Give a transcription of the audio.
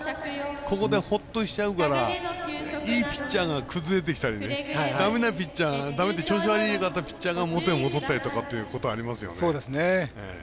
ここでほっとしちゃうからいいピッチャーが崩れてきたりだめなピッチャーがだめっていうか調子が悪かったピッチャーが元に戻ったりっていうことはありますよね。